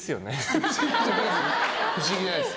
不思議じゃないです。